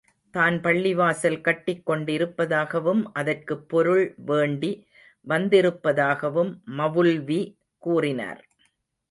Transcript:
தான் பள்ளிவாசல் கட்டிக் கொண்டிருப்பதாகவும் அதற்குப் பொருள் வேண்டி வந்திருப்பதாகவும் மவுல்வி கூறினார்.